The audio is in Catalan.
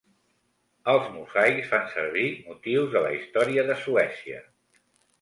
Els mosaics fan servir motius de la història de Suècia.